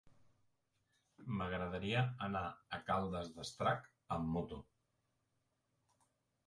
M'agradaria anar a Caldes d'Estrac amb moto.